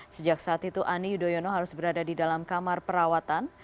sejak saat itu ani yudhoyono harus berada di dalam kamar perawatan